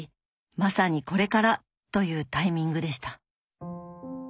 まさにこれからというタイミングでした。